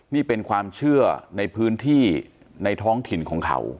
นี่เป็นความเชื่อในพื้นที่ในท้องถิ่นของเขา